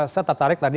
saya tertarik tadi